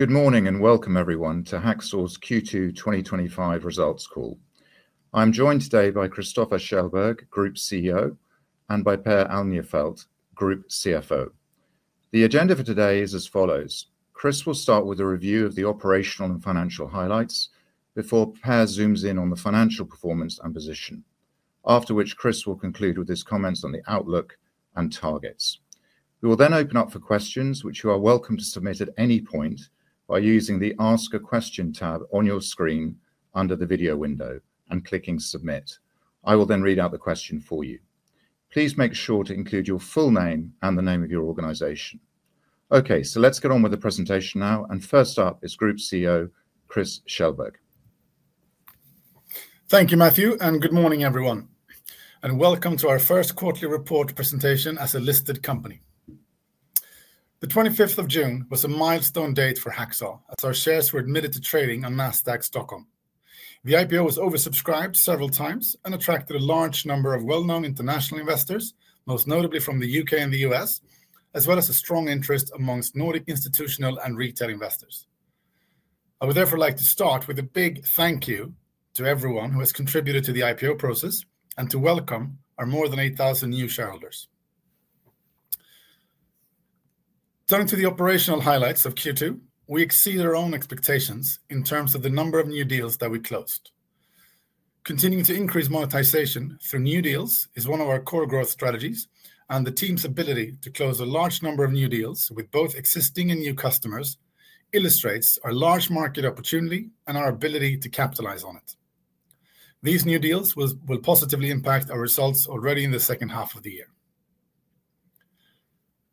Good morning and welcome everyone to Hacksaw AB's Q2 2025 results call. I'm joined today by Christoffer Källberg, Group CEO, and by Per Alnefelt, Group CFO. The agenda for today is as follows: Christoffer will start with a review of the operational and financial highlights before Per zooms in on the financial performance and position, after which Christoffer will conclude with his comments on the outlook and targets. We will then open up for questions, which you are welcome to submit at any point by using the 'Ask a Question' tab on your screen under the video window and clicking 'Submit.' I will then read out the question for you. Please make sure to include your full name and the name of your organization. Okay, let's get on with the presentation now, and first up is Group CEO Christoffer Källberg. Thank you, Matthew, and good morning everyone, and welcome to our first quarterly report presentation as a listed company. The 25th of June was a milestone date for Hacksaw AB as our shares were admitted to trading on Nasdaq Stockholm. The IPO was oversubscribed several times and attracted a large number of well-known international investors, most notably from the UK and the U.S., as well as a strong interest amongst Nordic institutional and retail investors. I would therefore like to start with a big thank you to everyone who has contributed to the IPO process and to welcome our more than 8,000 new shareholders. Turning to the operational highlights of Q2, we exceeded our own expectations in terms of the number of new deals that we closed. Continuing to increase monetization through new deals is one of our core growth strategies, and the team's ability to close a large number of new deals with both existing and new customers illustrates our large market opportunity and our ability to capitalize on it. These new deals will positively impact our results already in the second half of the year.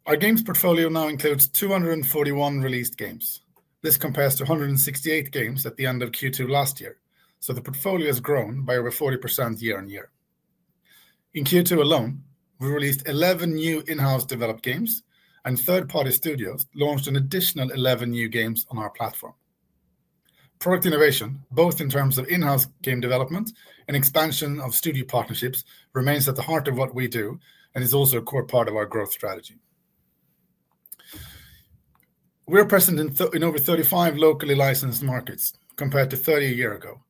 Our games portfolio now includes 241 released games. This compares to 168 games at the end of Q2 last year, so the portfolio has grown by over 40% year-on-year. In Q2 alone, we released 11 new in-house developed games, and third-party studios launched an additional 11 new games on our platform. Product innovation, both in terms of in-house game development and expansion of studio partnerships, remains at the heart of what we do and is also a core part of our growth strategy. We're present in over 35 locally licensed markets compared to 30 a year ago,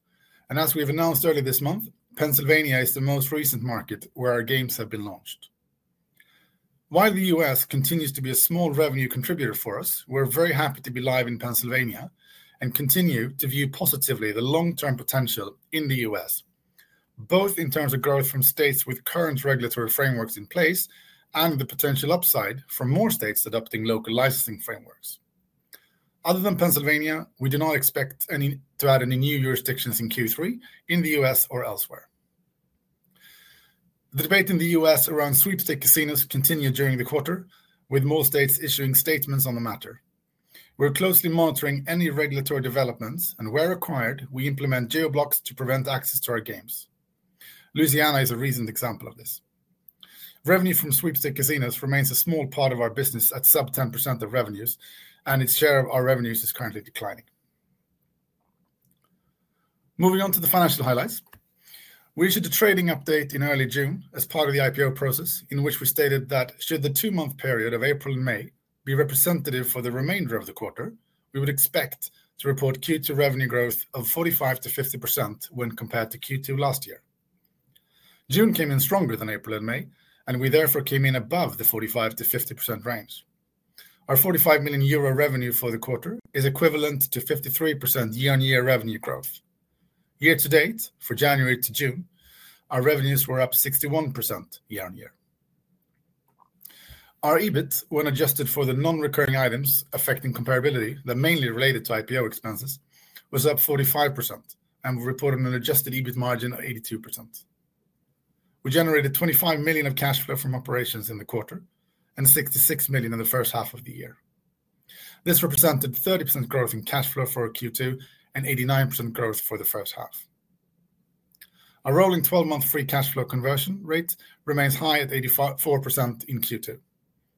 and as we've announced earlier this month, Pennsylvania is the most recent market where our games have been launched. While the U.S. continues to be a small revenue contributor for us, we're very happy to be live in Pennsylvania and continue to view positively the long-term potential in the U.S., both in terms of growth from states with current regulatory frameworks in place and the potential upside for more states adopting local licensing frameworks. Other than Pennsylvania, we do not expect to add any new jurisdictions in Q3 in the U.S. or elsewhere. The debate in the U.S. around sweepstakes casinos continued during the quarter, with more states issuing statements on the matter. We're closely monitoring any regulatory developments, and where required, we implement geoblocks to prevent access to our games. Louisiana is a recent example of this. Revenue from sweepstakes casinos remains a small part of our business at sub-10% of revenues, and its share of our revenues is currently declining. Moving on to the financial highlights, we issued a trading update in early June as part of the IPO process in which we stated that should the two-month period of April and May be representative for the remainder of the quarter, we would expect to report Q2 revenue growth of 45%-50% when compared to Q2 last year. June came in stronger than April and May, and we therefore came in above the 45%-50% range. Our 45 million euro revenue for the quarter is equivalent to 53% year-on-year revenue growth. Year to date, for January to June, our revenues were up 61% year-on-year. Our EBIT, when adjusted for the non-recurring items affecting comparability that mainly related to IPO expenses, was up 45% and we reported an adjusted EBIT margin of 82%. We generated 25 million of cash flow from operations in the quarter and 66 million in the first half of the year. This represented 30% growth in cash flow for Q2 and 89% growth for the first half. Our rolling 12-month free cash flow conversion rate remains high at 84% in Q2.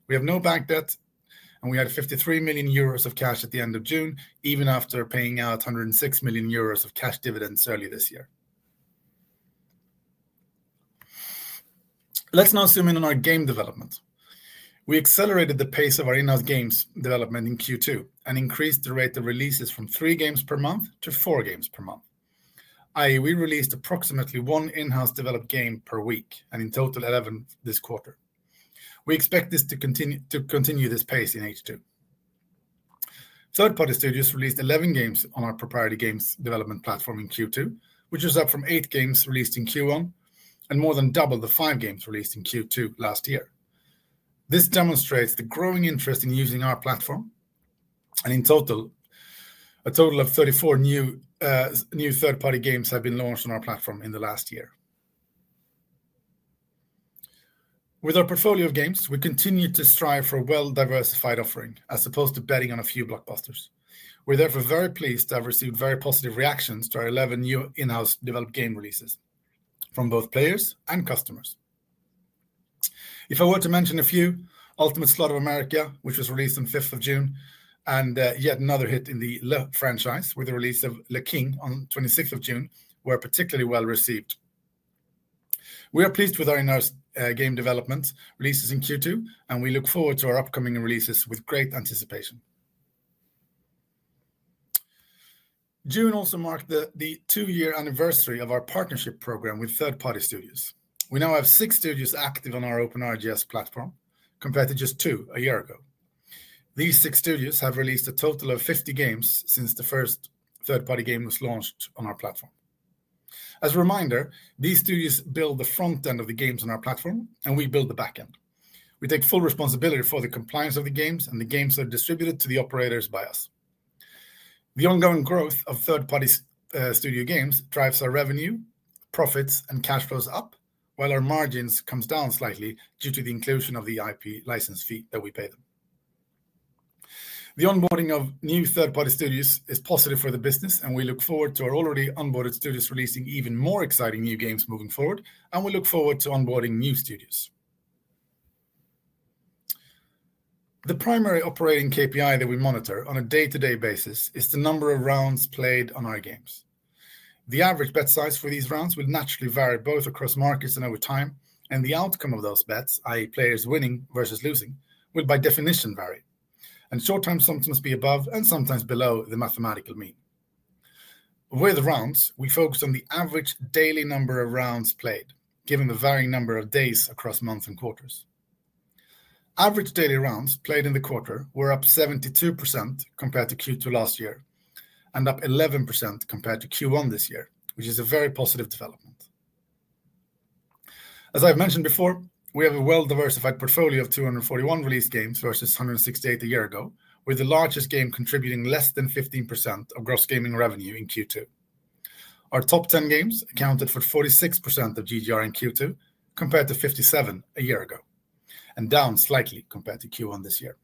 We have no bank debt, and we had 53 million euros of cash at the end of June, even after paying out 106 million euros of cash dividends early this year. Let's now zoom in on our game development. We accelerated the pace of our in-house games development in Q2 and increased the rate of releases from three games per month to four games per month. I.e., we released approximately one in-house developed game per week, and in total, 11 this quarter. We expect this to continue this pace in H2. Third-party studios released 11 games on our proprietary games development platform in Q2, which is up from eight games released in Q1 and more than double the five games released in Q2 last year. This demonstrates the growing interest in using our platform, and in total, a total of 34 new third-party games have been launched on our platform in the last year. With our portfolio of games, we continue to strive for a well-diversified offering as opposed to betting on a few blockbusters. We're therefore very pleased to have received very positive reactions to our 11 new in-house developed game releases from both players and customers. If I were to mention a few, Ultimate Slaughter of America, which was released on the 5th of June, and yet another hit in the Le franchise with the release of Le King on the 26th of June, were particularly well received. We are pleased with our in-house game development releases in Q2, and we look forward to our upcoming releases with great anticipation. June also marked the two-year anniversary of our partnership program with third-party studios. We now have six studios active on our OpenRGS platform compared to just two a year ago. These six studios have released a total of 50 games since the first third-party game was launched on our platform. As a reminder, these studios build the front end of the games on our platform, and we build the back end. We take full responsibility for the compliance of the games, and the games are distributed to the operators by us. The ongoing growth of third-party studio games drives our revenue, profits, and cash flows up, while our margins come down slightly due to the inclusion of the IP license fee that we pay them. The onboarding of new third-party studios is positive for the business, and we look forward to our already onboarded studios releasing even more exciting new games moving forward, and we look forward to onboarding new studios. The primary operating KPI that we monitor on a day-to-day basis is the number of rounds played on our games. The average bet size for these rounds will naturally vary both across markets and over time, and the outcome of those bets, i.e., players winning versus losing, will by definition vary, and short-term sums must be above and sometimes below the mathematical mean. With rounds, we focus on the average daily number of rounds played, given the varying number of days across months and quarters. Average daily rounds played in the quarter were up 72% compared to Q2 last year and up 11% compared to Q1 this year, which is a very positive development. As I've mentioned before, we have a well-diversified portfolio of 241 released games versus 168 a year ago, with the largest game contributing less than 15% of gross gaming revenue in Q2. Our top 10 games accounted for 46% of GGR in Q2 compared to 57% a year ago and down slightly compared to Q1 this year.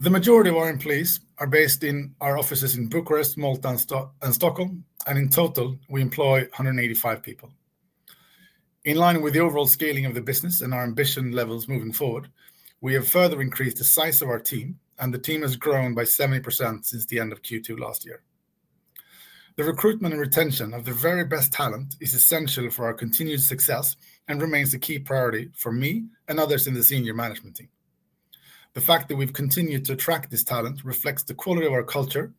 The majority of our employees are based in our offices in Bucharest, Malta, and Stockholm, and in total, we employ 185 people. In line with the overall scaling of the business and our ambition levels moving forward, we have further increased the size of our team, and the team has grown by 70% since the end of Q2 last year. The recruitment and retention of the very best talent is essential for our continued success and remains a key priority for me and others in the Senior Management Team. The fact that we've continued to attract this talent reflects the quality of our culture,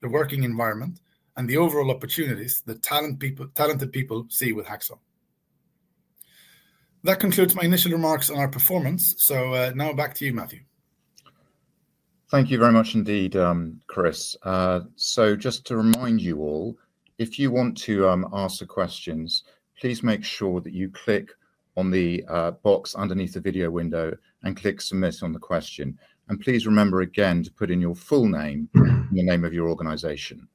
the working environment, and the overall opportunities that talented people see with Hacksaw. That concludes my initial remarks on our performance, so now back to you, Matthew. Thank you very much indeed, Chris. Just to remind you all, if you want to ask questions, please make sure that you click on the box underneath the video window and click 'Submit' on the question, and please remember again to put in your full name and the name of your organization.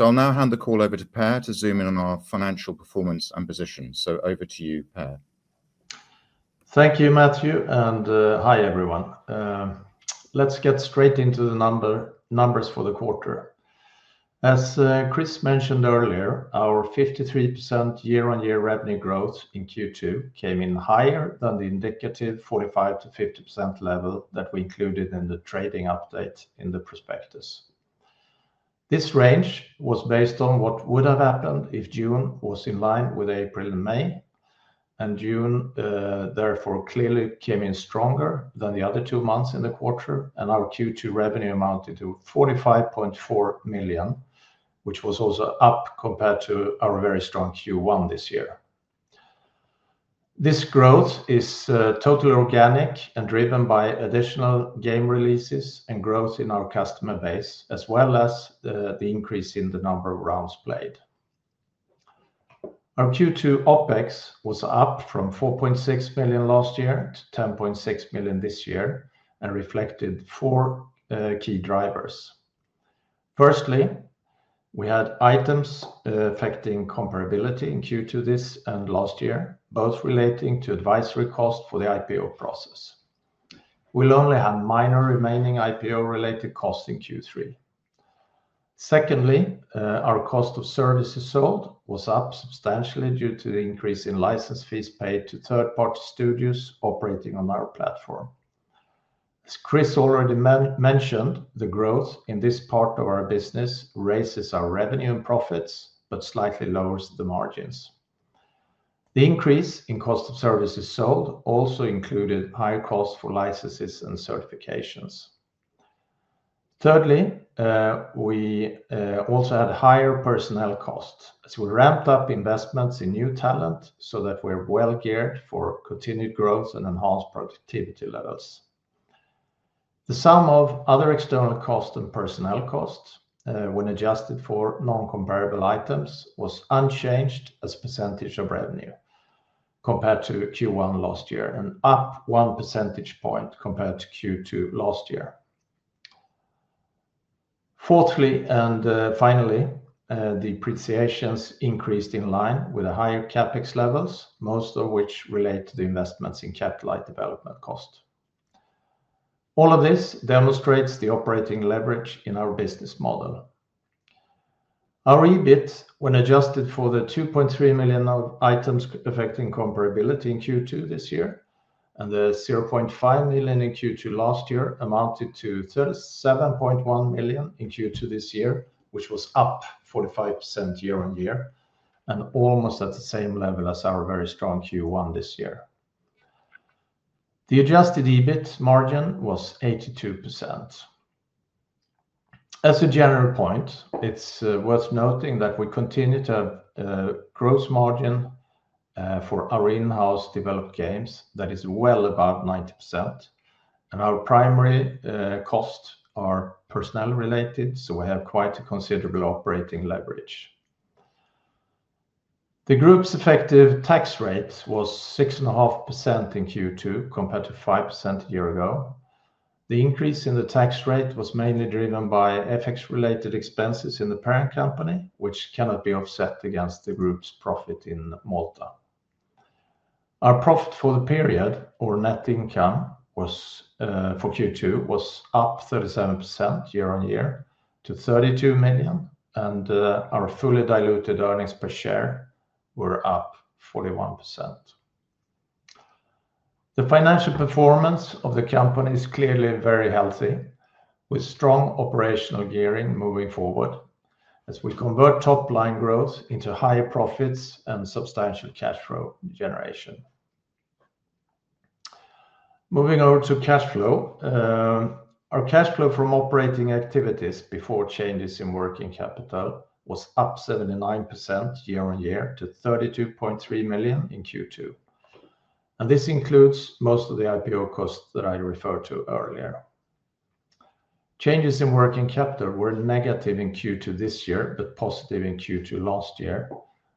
I'll now hand the call over to Per to zoom in on our financial performance and position. Over to you, Per. Thank you, Matthew, and hi everyone. Let's get straight into the numbers for the quarter. As Chris mentioned earlier, our 53% year-on-year revenue growth in Q2 came in higher than the indicative 45%-50% level that we included in the trading update in the prospectus. This range was based on what would have happened if June was in line with April and May, and June therefore clearly came in stronger than the other two months in the quarter, and our Q2 revenue amounted to 45.4 million, which was also up compared to our very strong Q1 this year. This growth is totally organic and driven by additional game releases and growth in our customer base, as well as the increase in the number of rounds played. Our Q2 OpEx was up from 4.6 million last year to 10.6 million this year and reflected four key drivers. Firstly, we had items affecting comparability in Q2 this and last year, both relating to advisory costs for the IPO process. We'll only have minor remaining IPO-related costs in Q3. Secondly, our cost of services sold was up substantially due to the increase in license fees paid to third-party studios operating on our platform. As Chris already mentioned, the growth in this part of our business raises our revenue and profits but slightly lowers the margins. The increase in cost of services sold also included higher costs for licenses and certifications. Thirdly, we also had higher personnel costs as we ramped up investments in new talent so that we're well geared for continued growth and enhanced productivity levels. The sum of other external costs and personnel costs, when adjusted for non-comparable items, was unchanged as a percentage of revenue compared to Q1 last year and up one percentage point compared to Q2 last year. Fourthly, and finally, the depreciations increased in line with the higher CapEx levels, most of which relate to the investments in Cap light development cost. All of this demonstrates the operating leverage in our business model. Our EBIT, when adjusted for the 2.3 million of items affecting comparability in Q2 this year and the 0.5 million in Q2 last year, amounted to 37.1 million in Q2 this year, which was up 45% year-on-year and almost at the same level as our very strong Q1 this year. The adjusted EBIT margin was 82%. As a general point, it's worth noting that we continue to have a gross margin for our in-house developed games that is well above 90%, and our primary costs are personnel related, so we have quite a considerable operating leverage. The Group's effective tax rate was 6.5% in Q2 compared to 5% a year ago. The increase in the tax rate was mainly driven by FX-related expenses in the parent company, which cannot be offset against the Group's profit in Malta. Our profit for the period, or net income, for Q2 was up 37% year-on-year to 32 million, and our fully diluted earnings per share were up 41%. The financial performance of the company is clearly very healthy, with strong operational gearing moving forward as we convert top line growth into higher profits and substantial cash flow generation. Moving over to cash flow, our cash flow from operating activities before changes in working capital was up 79% year-on-year to 32.3 million in Q2, and this includes most of the IPO costs that I referred to earlier. Changes in working capital were negative in Q2 this year but positive in Q2 last year,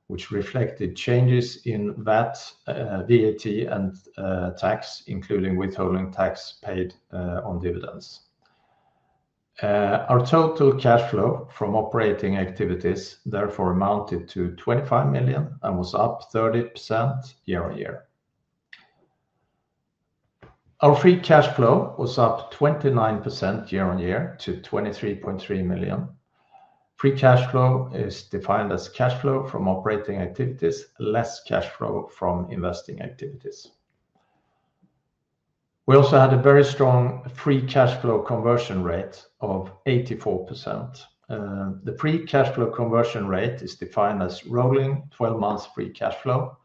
which reflected changes in VAT and tax, including withholding tax paid on dividends. Our total cash flow from operating activities therefore amounted to 25 million and was up 30% year-on-year. Our free cash flow was up 29% year-on-year to 23.3 million. Free cash flow is defined as cash flow from operating activities, less cash flow from investing activities. We also had a very strong free cash flow conversion rate of 84%. The free cash flow conversion rate is defined as rolling 12 months free cash flow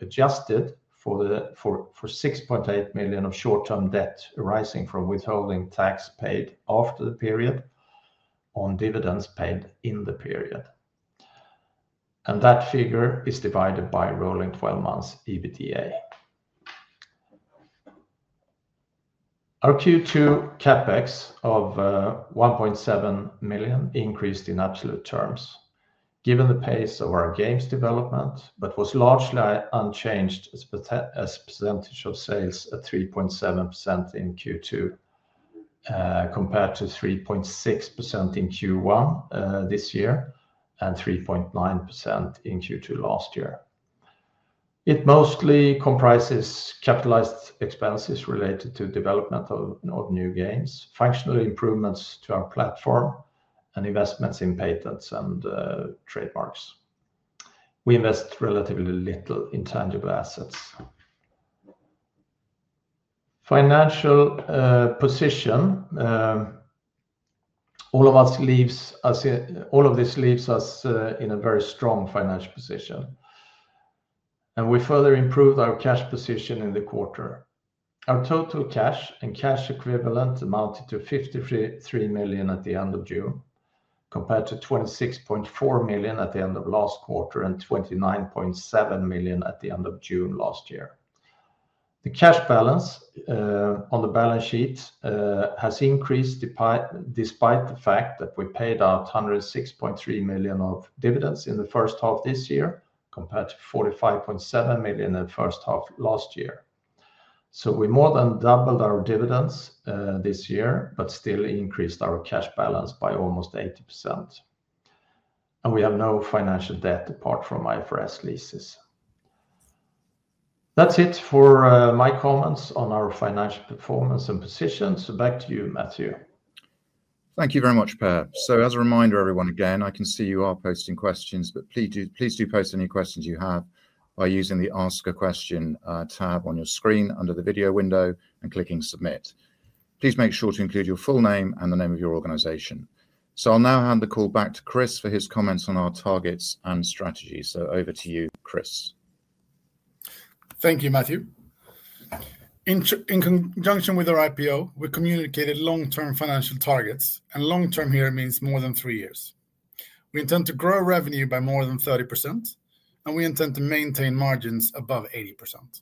adjusted for 6.8 million of short-term debt arising from withholding tax paid after the period on dividends paid in the period, and that figure is divided by rolling 12 months EBITDA. Our Q2 CapEx of 1.7 million increased in absolute terms given the pace of our games development but was largely unchanged as a percentage of sales at 3.7% in Q2 compared to 3.6% in Q1 this year and 3.9% in Q2 last year. It mostly comprises capitalized expenses related to development of new games, functional improvements to our platform, and investments in patents and trademarks. We invest relatively little in tangible assets. All of this leaves us in a very strong financial position, and we further improved our cash position in the quarter. Our total cash and cash equivalent amounted to 53 million at the end of June compared to 26.4 million at the end of last quarter and 29.7 million at the end of June last year. The cash balance on the balance sheet has increased despite the fact that we paid out 106.3 million of dividends in the first half this year compared to 45.7 million in the first half last year. We more than doubled our dividends this year but still increased our cash balance by almost 80%, and we have no financial debt apart from IFRS leases. That's it for my comments on our financial performance and position, back to you, Matthew. Thank you very much, Per. As a reminder, everyone, I can see you are posting questions, but please do post any questions you have by using the 'Ask a Question' tab on your screen under the video window and clicking 'Submit.' Please make sure to include your full name and the name of your organization. I'll now hand the call back to Chris for his comments on our targets and strategies. Over to you, Chris. Thank you, Matthew. In conjunction with our IPO, we communicated long-term financial targets, and long-term here means more than three years. We intend to grow revenue by more than 30%, and we intend to maintain margins above 80%.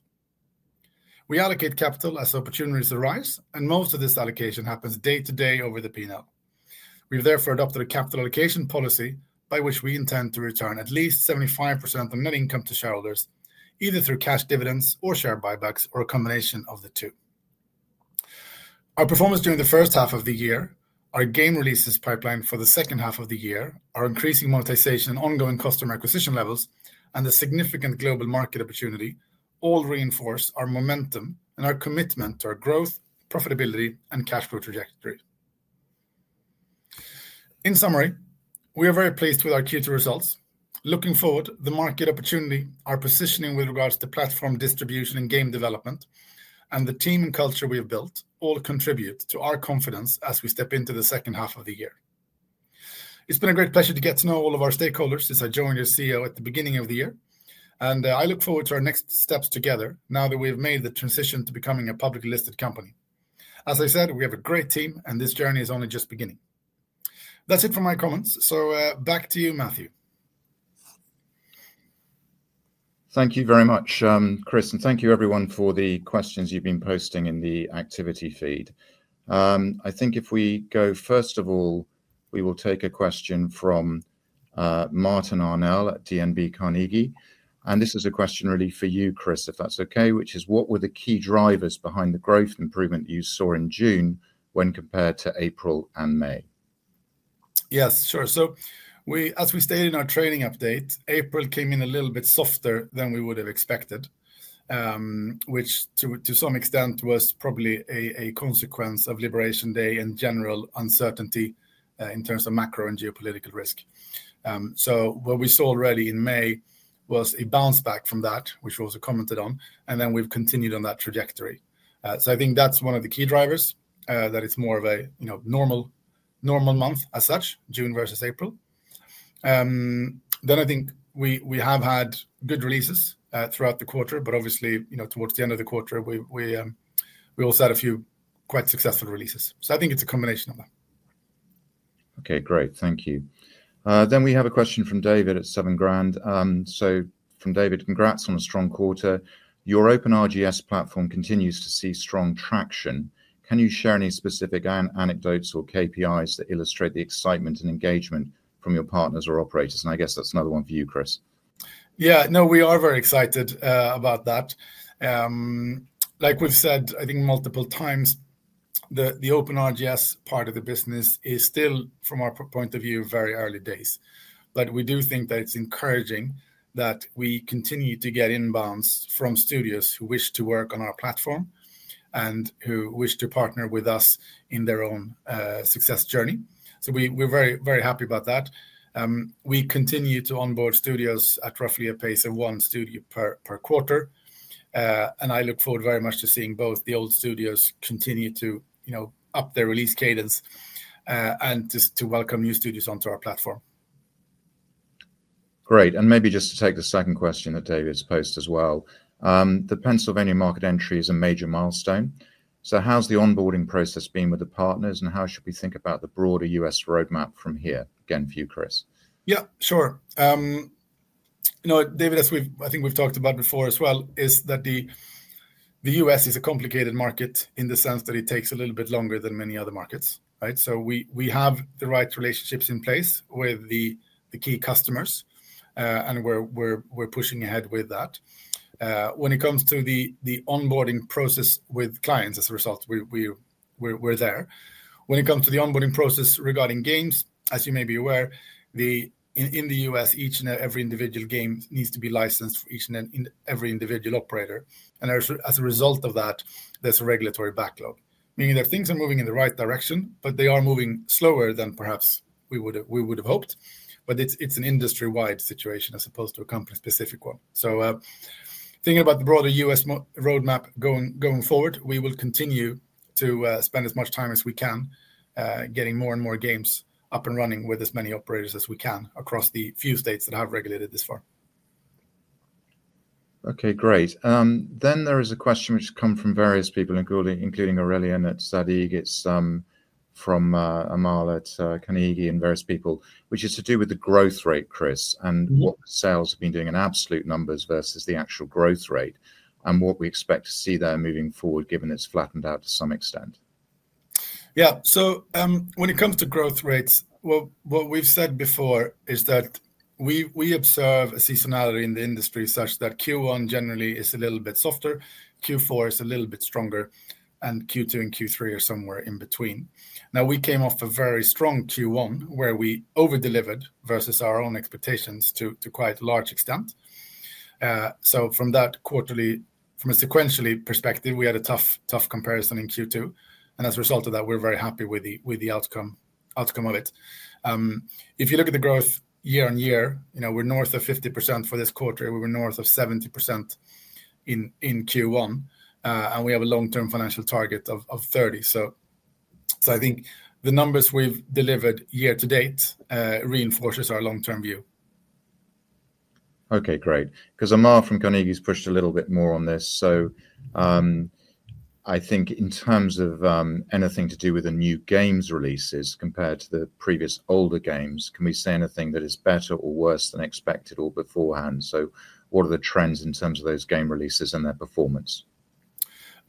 We allocate capital as opportunities arise, and most of this allocation happens day to day over the P&L. We've therefore adopted a capital allocation policy by which we intend to return at least 75% of net income to shareholders, either through cash dividends or share buybacks or a combination of the two. Our performance during the first half of the year, our game releases pipeline for the second half of the year, our increasing monetization and ongoing customer acquisition levels, and the significant global market opportunity all reinforce our momentum and our commitment to our growth, profitability, and cash flow trajectory. In summary, we are very pleased with our Q2 results. Looking forward, the market opportunity, our positioning with regards to platform distribution and game development, and the team and culture we have built all contribute to our confidence as we step into the second half of the year. It's been a great pleasure to get to know all of our stakeholders since I joined as CEO at the beginning of the year, and I look forward to our next steps together now that we've made the transition to becoming a publicly listed company. As I said, we have a great team, and this journey is only just beginning. That's it for my comments, so back to you, Matthew. Thank you very much, Chris, and thank you everyone for the questions you've been posting in the activity feed. I think if we go, first of all, we will take a question from Martin Arnell at DNB Carnegie, and this is a question really for you, Chris, if that's okay, which is what were the key drivers behind the growth improvement you saw in June when compared to April and May? Yes, sure. As we stated in our trading update, April came in a little bit softer than we would have expected, which to some extent was probably a consequence of Liberation Day and general uncertainty in terms of macro and geopolitical risk. What we saw already in May was a bounce back from that, which was commented on, and we've continued on that trajectory. I think that's one of the key drivers that it's more of a normal month as such, June versus April. I think we have had good releases throughout the quarter, but obviously towards the end of the quarter, we also had a few quite successful releases. I think it's a combination of them. Okay, great, thank you. We have a question from David at Seven Grand. From David, congrats on a strong quarter. Your OpenRGS platform continues to see strong traction. Can you share any specific anecdotes or KPIs that illustrate the excitement and engagement from your partners or operators? I guess that's another one for you, Chris. Yeah, no, we are very excited about that. Like we've said, I think multiple times, the OpenRGS part of the business is still, from our point of view, very early days, but we do think that it's encouraging that we continue to get inbounds from studios who wish to work on our platform and who wish to partner with us in their own success journey. We are very happy about that. We continue to onboard studios at roughly a pace of one studio per quarter, and I look forward very much to seeing both the old studios continue to up their release cadence and to welcome new studios onto our platform. Great, and maybe just to take the second question that David's posted as well, the Pennsylvania market entry is a major milestone. How's the onboarding process been with the partners, and how should we think about the broader U.S. roadmap from here? Again, for you, Chris. Yeah, sure. You know, David, as I think we've talked about before as well, the U.S. is a complicated market in the sense that it takes a little bit longer than many other markets. We have the right relationships in place with the key customers, and we're pushing ahead with that. When it comes to the onboarding process with clients, as a result, we're there. When it comes to the onboarding process regarding games, as you may be aware, in the U.S., each and every individual game needs to be licensed for each and every individual operator, and as a result of that, there's a regulatory backlog, meaning that things are moving in the right direction, but they are moving slower than perhaps we would have hoped. It's an industry-wide situation as opposed to a company-specific one. Thinking about the broader U.S. roadmap going forward, we will continue to spend as much time as we can getting more and more games up and running with as many operators as we can across the few states that have regulated this far. Okay, great. There is a question which has come from various people, including Aurelien at Sadiq, from Amal at Carnegie, and various people, which is to do with the growth rate, Chris, and what the sales have been doing in absolute numbers versus the actual growth rate, and what we expect to see there moving forward given it's flattened out to some extent. Yeah, so when it comes to growth rates, what we've said before is that we observe a seasonality in the industry such that Q1 generally is a little bit softer, Q4 is a little bit stronger, and Q2 and Q3 are somewhere in between. Now, we came off a very strong Q1 where we overdelivered versus our own expectations to quite a large extent. From that quarterly, from a sequentially perspective, we had a tough comparison in Q2, and as a result of that, we're very happy with the outcome of it. If you look at the growth year-on-year, you know, we're north of 50% for this quarter, we were north of 70% in Q1, and we have a long-term financial target of 30%. I think the numbers we've delivered year to date reinforce our long-term view. Okay, great, because Amal from Carnegie's pushed a little bit more on this. I think in terms of anything to do with the new games releases compared to the previous older games, can we say anything that is better or worse than expected or beforehand? What are the trends in terms of those game releases and their performance?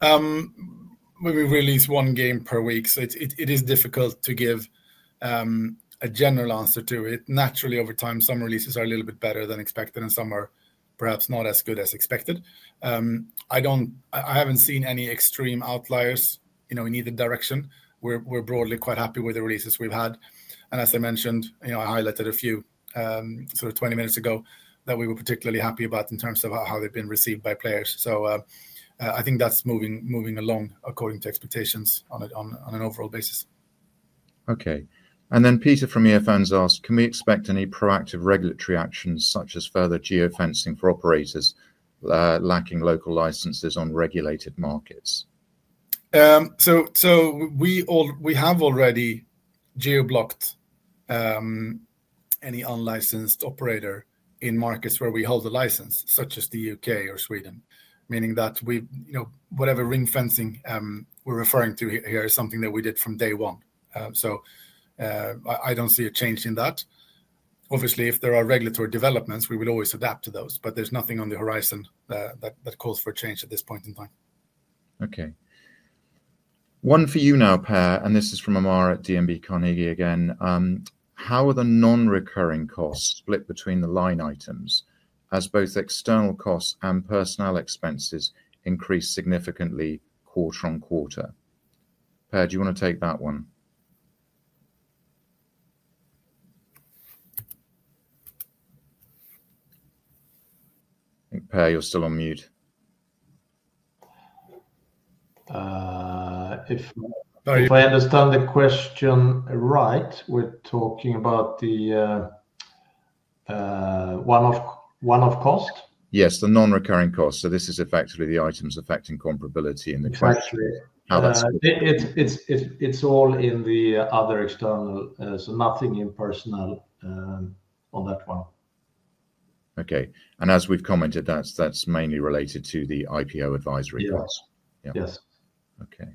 We release one game per week, so it is difficult to give a general answer to it. Naturally, over time, some releases are a little bit better than expected, and some are perhaps not as good as expected. I haven't seen any extreme outliers in either direction. We're broadly quite happy with the releases we've had, and as I mentioned, I highlighted a few sort of 20 minutes ago that we were particularly happy about in terms of how they've been received by players. I think that's moving along according to expectations on an overall basis. Okay, and then Peter from Earphones asked, can we expect any proactive regulatory actions such as further geofencing for operators lacking local licenses on regulated markets? We have already geoblocked any unlicensed operator in markets where we hold a license, such as the UK or Sweden, meaning that whatever ring fencing we're referring to here is something that we did from day one. I don't see a change in that. Obviously, if there are regulatory developments, we will always adapt to those, but there's nothing on the horizon that calls for change at this point in time. Okay, one for you now, Per, and this is from Amal at DNB Carnegie again. How are the non-recurring costs split between the line items as both external costs and personnel expenses increase significantly quarter-on-quarter? Per, do you want to take that one? I think, Per, you're still on mute. If I understand the question right, we're talking about the one-off cost? Yes, the non-recurring costs. This is effectively the items affecting comparability in the question. It's all in the other external, so nothing in personnel on that one. Okay, as we've commented, that's mainly related to the IPO advisory costs. Yes. Okay,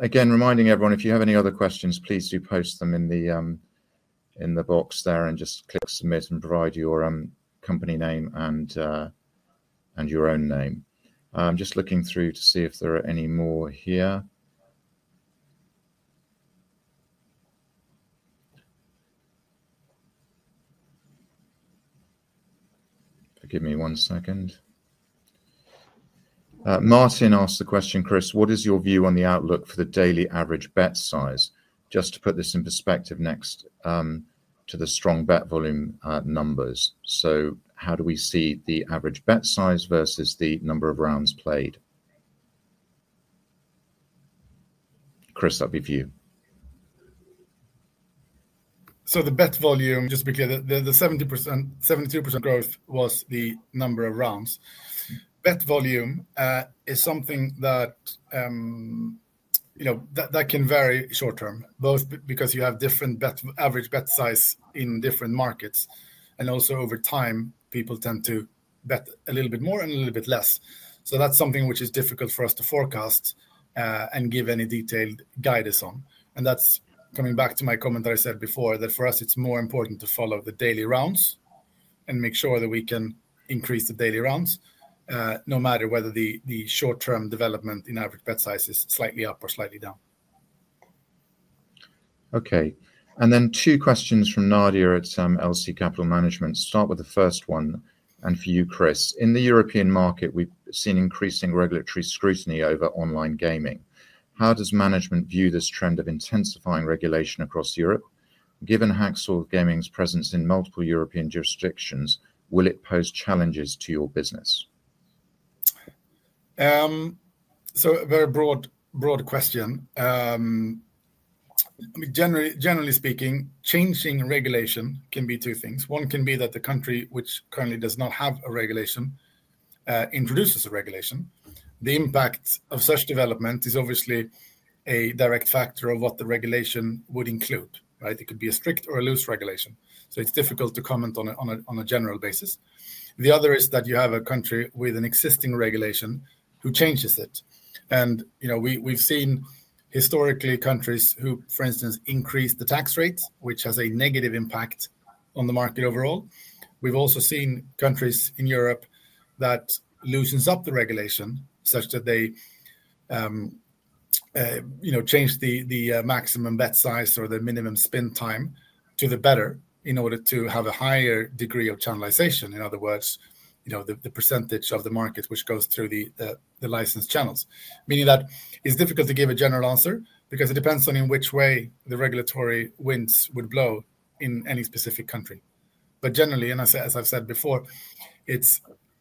again, reminding everyone, if you have any other questions, please do post them in the box there and just click "Submit" and provide your company name and your own name. I'm just looking through to see if there are any more here. Give me one second. Martin asked the question, Chris, what is your view on the outlook for the daily average bet size? Just to put this in perspective next to the strong bet volume numbers. How do we see the average bet size versus the number of rounds played? Chris, that'd be for you. The bet volume, just to be clear, the 72% growth was the number of rounds. Bet volume is something that can vary short term, both because you have different average bet size in different markets and also over time people tend to bet a little bit more and a little bit less. That is something which is difficult for us to forecast and give any detailed guidance on. That is coming back to my comment that I said before that for us it's more important to follow the daily rounds and make sure that we can increase the daily rounds no matter whether the short-term development in average bet size is slightly up or slightly down. Okay, and then two questions from Nadir at LC Capital Management. Start with the first one, and for you, Chris. In the European market, we've seen increasing regulatory scrutiny over online gaming. How does management view this trend of intensifying regulation across Europe? Given Hacksaw AB's presence in multiple European jurisdictions, will it pose challenges to your business? A very broad question. Generally speaking, changing regulation can be two things. One can be that the country which currently does not have a regulation introduces a regulation. The impact of such development is obviously a direct factor of what the regulation would include. It could be a strict or a loose regulation, so it's difficult to comment on a general basis. The other is that you have a country with an existing regulation who changes it, and we've seen historically countries who, for instance, increase the tax rate, which has a negative impact on the market overall. We've also seen countries in Europe that loosen up the regulation such that they change the maximum bet size or the minimum spin time to the better in order to have a higher degree of channelization. In other words, the % of the market which goes through the licensed channels, meaning that it's difficult to give a general answer because it depends on in which way the regulatory winds would blow in any specific country. Generally, as I've said before,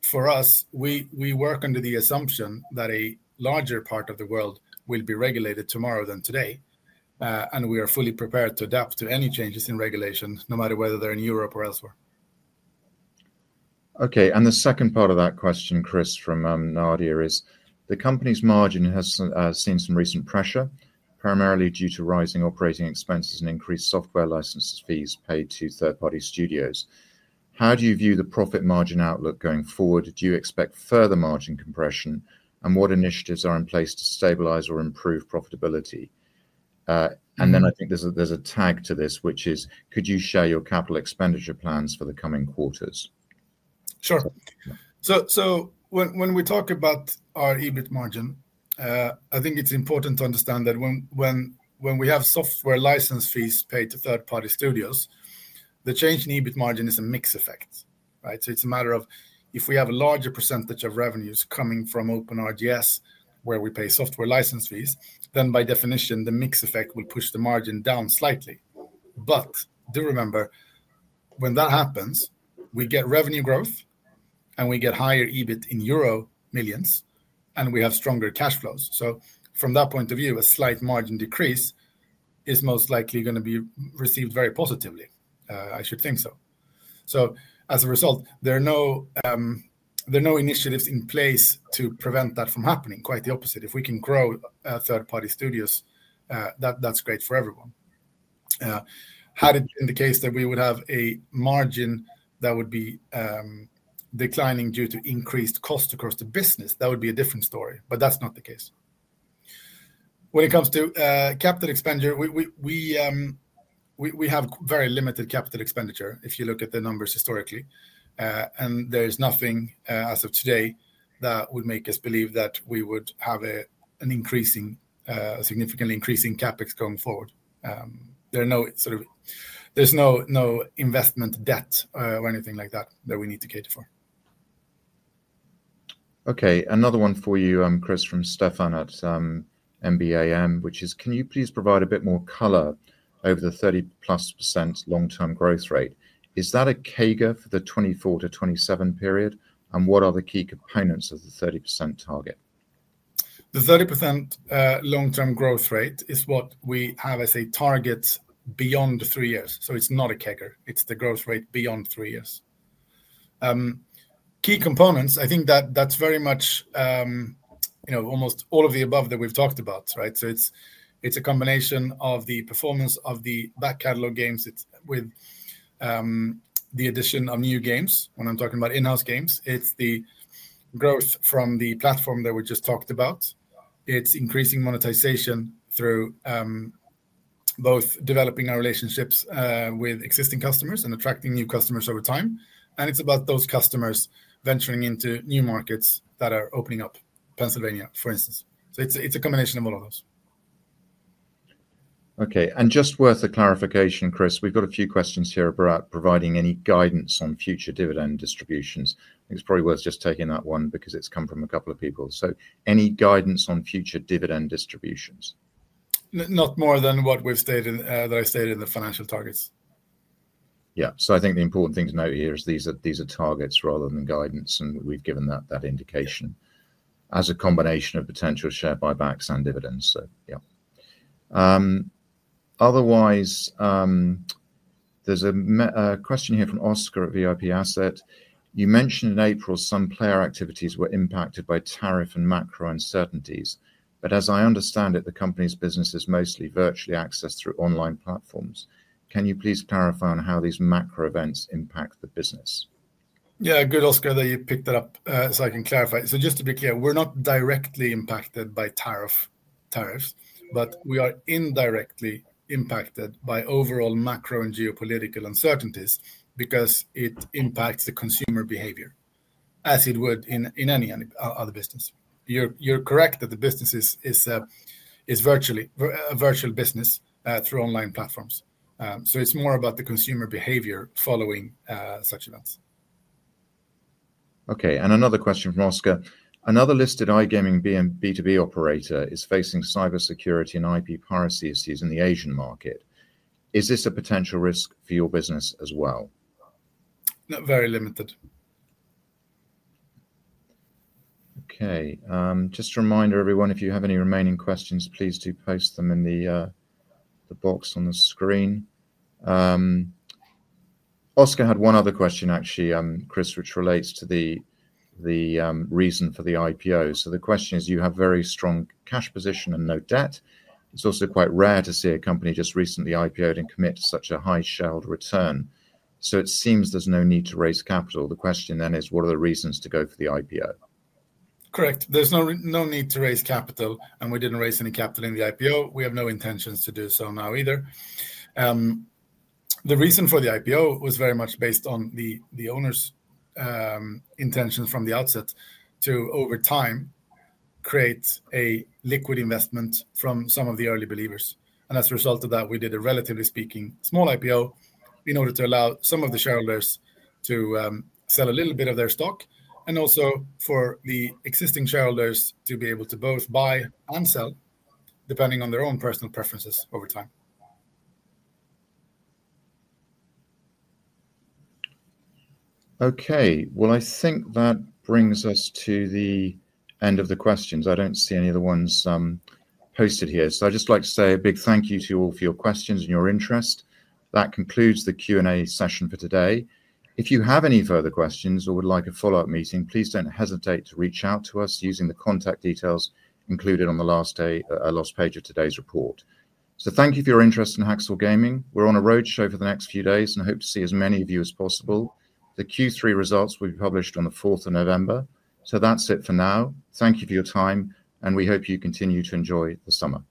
for us, we work under the assumption that a larger part of the world will be regulated tomorrow than today, and we are fully prepared to adapt to any changes in regulation no matter whether they're in Europe or elsewhere. Okay, and the second part of that question, Chris, from Nadir is the company's margin has seen some recent pressure, primarily due to rising operating expenses and increased software license fees paid to third-party studios. How do you view the profit margin outlook going forward? Do you expect further margin compression, and what initiatives are in place to stabilize or improve profitability? I think there's a tag to this, which is could you share your capital expenditure plans for the coming quarters? Sure. When we talk about our EBIT margin, I think it's important to understand that when we have software license fees paid to third-party studios, the change in EBIT margin is a mix effect. It's a matter of if we have a larger % of revenues coming from OpenRGS where we pay software license fees, then by definition the mix effect will push the margin down slightly. Do remember, when that happens, we get revenue growth and we get higher EBIT in euro millions, and we have stronger cash flows. From that point of view, a slight margin decrease is most likely going to be received very positively, I should think so. As a result, there are no initiatives in place to prevent that from happening. Quite the opposite. If we can grow third-party studios, that's great for everyone. In the case that we would have a margin that would be declining due to increased costs across the business, that would be a different story, but that's not the case. When it comes to capital expenditure, we have very limited CapEx if you look at the numbers historically, and there is nothing as of today that would make us believe that we would have a significantly increasing CapEx going forward. There's no investment debt or anything like that that we need to cater for. Okay, another one for you, Chris, from Stefan at MBAM, which is can you please provide a bit more color over the 30% long-term growth rate? Is that a CAGR for the 2024 to 2027 period, and what are the key components of the 30% target? The 30% long-term growth rate is what we have as a target beyond three years, so it's not a CAGR. It's the growth rate beyond three years. Key components, I think that that's very much almost all of the above that we've talked about. It's a combination of the performance of the back catalog games with the addition of new games. When I'm talking about in-house games, it's the growth from the platform that we just talked about. It's increasing monetization through both developing our relationships with existing customers and attracting new customers over time, and it's about those customers venturing into new markets that are opening up, Pennsylvania, for instance. It's a combination of all of those. Okay, and just worth a clarification, Chris, we've got a few questions here about providing any guidance on future dividend distributions. I think it's probably worth just taking that one because it's come from a couple of people. Any guidance on future dividend distributions? Not more than what I stated in the financial targets. I think the important thing to note here is these are targets rather than guidance, and we've given that indication as a combination of potential share buybacks and dividends. Otherwise, there's a question here from Oscar at VIP Asset. You mentioned in April some player activities were impacted by tariff and macro uncertainties, but as I understand it, the company's business is mostly virtually accessed through online platforms. Can you please clarify on how these macro events impact the business? Yeah, good, Oscar, that you picked that up so I can clarify. Just to be clear, we're not directly impacted by tariffs, but we are indirectly impacted by overall macro and geopolitical uncertainties because it impacts the consumer behavior as it would in any other business. You're correct that the business is a virtual business through online platforms, so it's more about the consumer behavior following such events. Okay, another question from Oscar. Another listed iGaming B2B operator is facing cybersecurity and IP piracy issues in the Asian market. Is this a potential risk for your business as well? Not very limited. Okay, just a reminder everyone, if you have any remaining questions, please do post them in the box on the screen. Oscar had one other question, actually, Chris, which relates to the reason for the IPO. The question is you have a very strong cash position and no debt. It's also quite rare to see a company just recently IPO'd and commit to such a high shareholder return, it seems there's no need to raise capital. The question then is what are the reasons to go for the IPO? Correct, there's no need to raise capital, and we didn't raise any capital in the IPO. We have no intentions to do so now either. The reason for the IPO was very much based on the owner's intentions from the outset to, over time, create a liquid investment from some of the early believers. As a result of that, we did a relatively speaking small IPO in order to allow some of the shareholders to sell a little bit of their stock and also for the existing shareholders to be able to both buy and sell depending on their own personal preferences over time. Okay, I think that brings us to the end of the questions. I don't see any other ones posted here, so I'd just like to say a big thank you to you all for your questions and your interest. That concludes the Q&A session for today. If you have any further questions or would like a follow-up meeting, please don't hesitate to reach out to us using the contact details included on the last page of today's report. Thank you for your interest in Hacksaw AB. We're on a roadshow for the next few days and hope to see as many of you as possible. The Q3 results will be published on the 4th of November, so that's it for now. Thank you for your time, and we hope you continue to enjoy the summer.